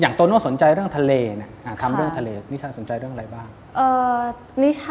โตโน่สนใจเรื่องทะเลเนี่ยทำเรื่องทะเลนิชาสนใจเรื่องอะไรบ้าง